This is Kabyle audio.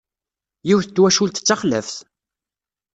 Yiwet n twacult d taxlaft!